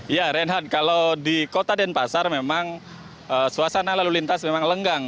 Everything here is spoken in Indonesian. ya reinhard kalau di kota denpasar memang suasana lalu lintas memang lenggang